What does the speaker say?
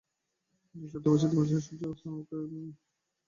তখন চৈত্রমাসের দিবসান্তে সূর্য অস্তোন্মুখ।